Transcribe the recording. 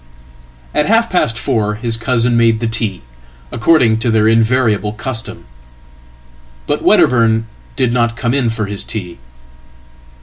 *At half past four his cousin made the tea, according to their invariablecustom. But Wedderburn did not come in for his tea."